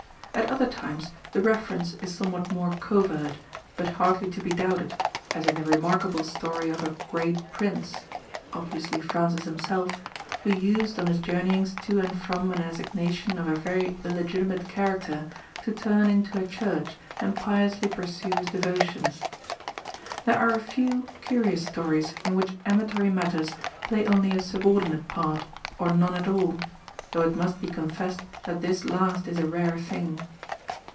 At other times the reference is somewhat more covert, but hardly to be doubted, as in the remarkable story of a "great Prince" (obviously Francis himself) who used on his journeyings to and from an assignation of a very illegitimate character, to turn into a church and piously pursue his devotions. There are a few curious stories in which amatory matters play only a subordinate part or none at all, though it must be confessed that this last is a rare thing.